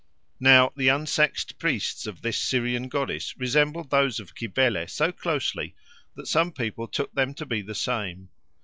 Now the unsexed priests of this Syrian goddess resembled those of Cybele so closely that some people took them to be the same.